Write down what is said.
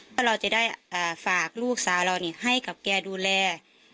เราจะได้อ่าฝากลูกสาวเรานี่ให้กับแกดูแล